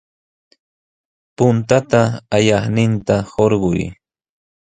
Puntata ayaqninta hurqay.